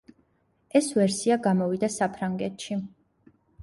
ეს ვერსია გამოვიდა საფრანგეთში.